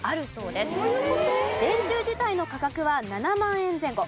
電柱自体の価格は７万円前後。